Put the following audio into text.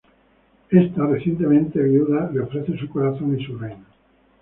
Ésta, recientemente viuda, le ofrece su corazón y su reino.